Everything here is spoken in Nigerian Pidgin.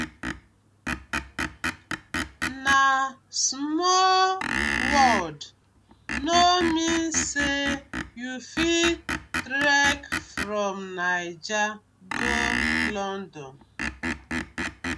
Na small world no mean say you fit trek from Naija go London: